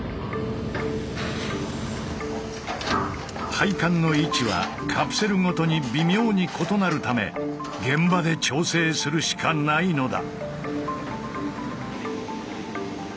配管の位置はカプセルごとに微妙に異なるため現場で調整するしかないのだ。